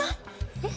えっ？